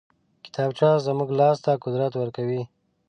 کتابچه زموږ لاس ته قدرت ورکوي